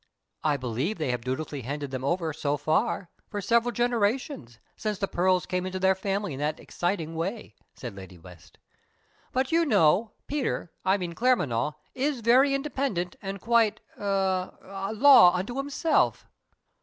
"I believe they have dutifully handed them over so far for several generations, since the pearls came into their family in that exciting way," said Lady West. "But you know, Peter I mean Claremanagh is very independent, and quite er a law unto himself."